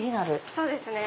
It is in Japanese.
そうですね。